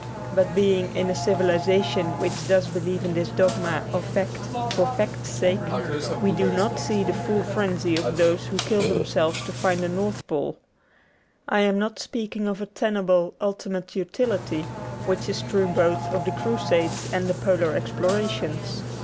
But being in a civilization which does believe in this dogma of fact for fact's sake, we do not see the full frenzy of those who kill themselves to find the North Pole. I am not speaking of a tenable ultimate utility, which is true both of the Crusades and the polar explorations.